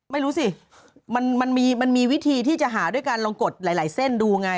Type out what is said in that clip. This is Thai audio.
ไม่รู้สิมันมีวิธีที่จะหาด้วยการลองกดหลายเส้นดูไง